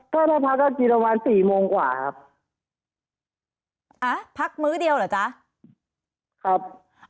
ก็ได้พักกันปีระมาณสี่โมงกว่าครับพักมื้อเดียวเหรอจ้ะครับอ๋ออ๋อ